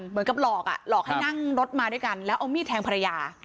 เหมือนกับหลอกอ่ะหลอกให้นั่งรถมาด้วยกันแล้วเอามีดแทงภรรยา